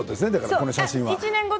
この写真は。